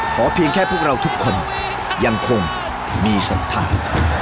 ขอเพียงแค่พวกเราทุกคนยังคงมีสมธาร